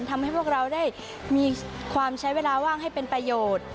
ทำให้พวกเราได้มีความใช้เวลาว่างให้เป็นประโยชน์